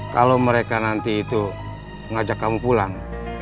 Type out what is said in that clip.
kalau mereka nanti itu ngajak kamu pulang